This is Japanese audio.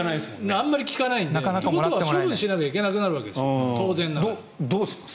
あまり聞かないのでということは処分しなきゃいけなくなるわけですよ。どうします？